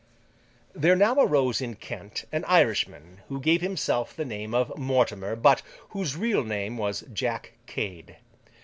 There now arose in Kent an Irishman, who gave himself the name of Mortimer, but whose real name was Jack Cade.